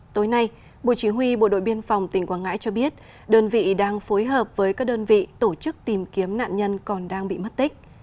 tối nay bộ chỉ huy bộ đội biên phòng tỉnh quảng ngãi cho biết đơn vị đang phối hợp với các đơn vị tổ chức tìm kiếm nạn nhân còn đang bị mất tích